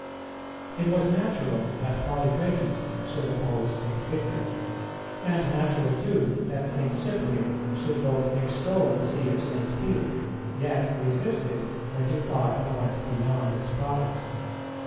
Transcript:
It was natural that Polycrates should oppose St. Victor; and natural too that St. Cyprian should both extol the See of St. Peter, yet resist it when he thought it went beyond its province.